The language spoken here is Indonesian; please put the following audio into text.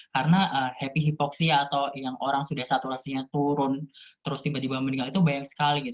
karena happy hypoxia atau yang orang sudah saturasinya turun terus tiba tiba meninggal itu banyak sekali